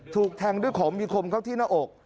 ถูกแทงด้วยของมีคมเข้าที่หน้าอก